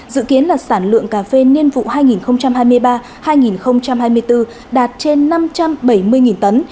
dự kiến là sản lượng cà phê niên vụ hai nghìn hai mươi ba hai nghìn hai mươi bốn đạt trên năm trăm bảy mươi tấn